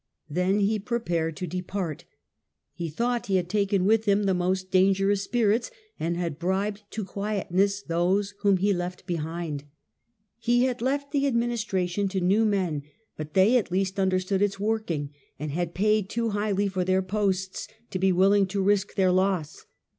Then he prepared to depart. He thought he had taken with him the most dangerous spirits, and had bribed to quietness those whom he left behind. He Thegovern had left the administration to new men, but ment of they at least understood its working, and ^°"<f*^"*P' had paid too highly for their posts to be willing to risk their loss.